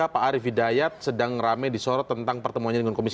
pak arief hidayat sedang rame disorot tentang pertemuannya dengan komisi tiga